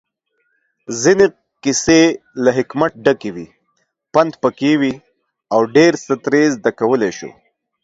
ځينې کيسې له حکمت ډکې وي، پندپکې وي اوډيرڅه ترې زده کولی شو